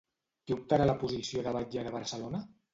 Qui optarà a la posició de batlle de Barcelona?